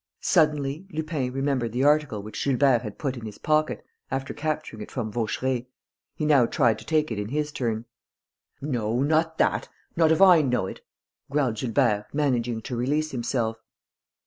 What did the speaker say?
Suddenly, Lupin remembered the article which Gilbert had put in his pocket, after capturing it from Vaucheray. He now tried to take it in his turn. "No, not that! Not if I know it!" growled Gilbert, managing to release himself.